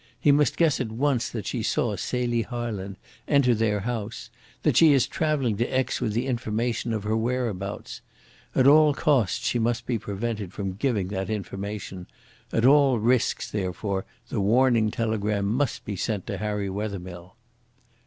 He must guess at once that she saw Celie Harland enter their house, that she is travelling to Aix with the information of her whereabouts. At all costs she must be prevented from giving that information. At all risks, therefore, the warning telegram must be sent to Harry Wethermill."